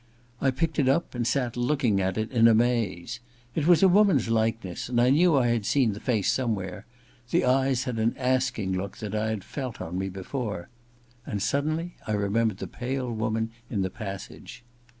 I picked it up and sat looking at it in a maze. It was a woman's likeness, and I knew I had seen the face some where — the eyes had an asking look that I had felt on me before. And suddenly I remembered the pale woman in the passage.